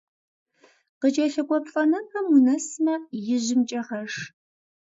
Къыкӏэлъыкӏуэ плӏэнэпэм унэсмэ, ижьымкӏэ гъэш.